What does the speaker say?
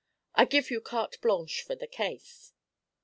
I give you carte blanche for the case."'